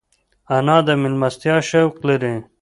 انا د مېلمستیا شوق لري